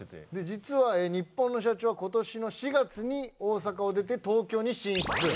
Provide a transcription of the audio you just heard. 実はニッポンの社長は今年の４月に大阪を出て東京に進出。